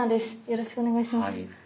よろしくお願いします。